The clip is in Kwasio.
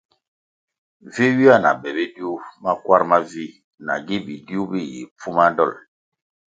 Vi ywia na be bidiu makwarʼ mavih nagi bidiu bi yi pfuma dolʼ.